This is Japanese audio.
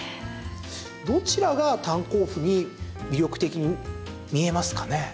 どちらが炭鉱夫に魅力的に見えますかね？